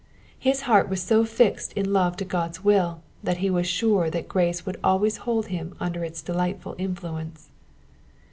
His heart was so fixed in love to Qod's will that he was sure that grace would always hold him under its delightful influence.